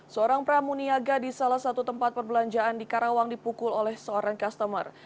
seorang pramuniaga di salah satu tempat perbelanjaan di karawang dipukul oleh seorang customer